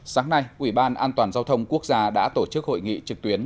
sáng nay ủy ban an toàn giao thông quốc gia đã tổ chức hội nghị trực tuyến